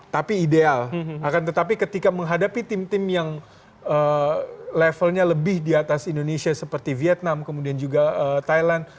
tapi ideal akan tetapi ketika menghadapi tim tim yang levelnya lebih di atas indonesia seperti vietnam kemudian juga thailand